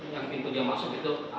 yang pintunya masuk itu